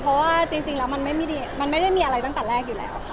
เพราะว่าจริงแล้วมันไม่ได้มีอะไรตั้งแต่แรกอยู่แล้วค่ะ